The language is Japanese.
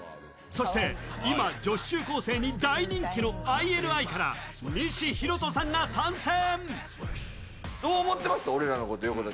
そして今、女子中高生に大人気のＩＮＩから西洸人さんが参戦。